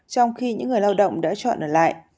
trong khi những người lao động đã chọn ở lại